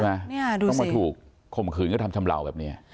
ต้องมาถูกข่มขืนกระทำชำเหล่าแบบนี้